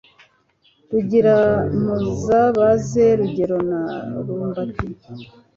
RugiraMuzabaze Rugerero na Rumbati.